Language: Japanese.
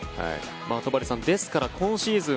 戸張さんですから今シーズン